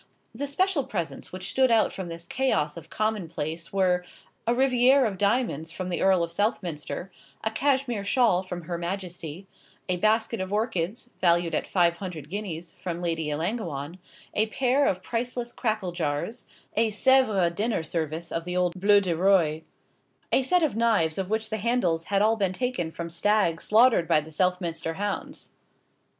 The special presents which stood out from this chaos of common place were a rivière of diamonds from the Earl of Southminster, a cashmere shawl from Her Majesty, a basket of orchids, valued at five hundred guineas, from Lady Ellangowan, a pair of priceless crackle jars, a Sèvres dinner service of the old bleu du roi, a set of knives of which the handles had all been taken from stags slaughtered by the Southminster hounds.